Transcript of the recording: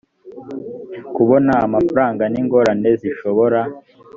kubona amafaranga n ingorane zishobora